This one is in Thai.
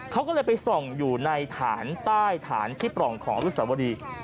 เขาก็เลยไปส่องอยู่ในฐานใต้ฐานที่ปล่องของอนุสาวรี